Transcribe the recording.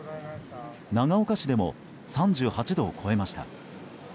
長岡市でも３８度を超えました。